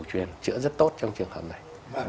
chuyên chữa rất tốt trong trường hợp này